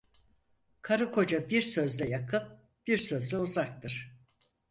Karıkoca bir sözle yakın, bir sözle uzaktır.